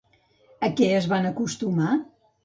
A què es van acostumar?